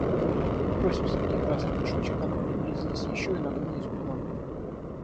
Отбросив с руки красный мешочек, она приблизилась еще и нагнулась под вагон.